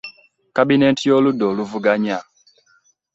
Kabineeti y'oludda oluvuganya.